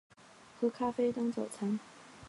喝咖啡当早餐